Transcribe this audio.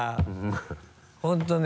本当ね